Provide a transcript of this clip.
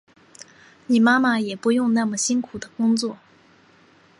你妈妈也不用那么辛苦的工作